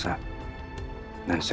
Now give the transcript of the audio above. saya juga pernah di penjara saat